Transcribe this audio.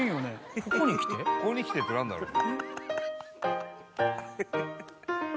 ここにきてって何だろう？